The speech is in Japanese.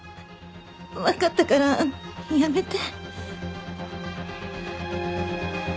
わかったからやめて。